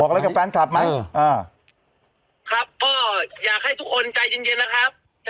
อะไรกับแฟนคลับไหมอ่าครับก็อยากให้ทุกคนใจเย็นเย็นแล้วครับ